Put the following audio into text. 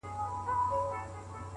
• د مقدسي فلسفې د پيلولو په نيت،